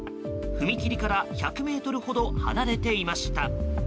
踏切から１００ｍほど離れていました。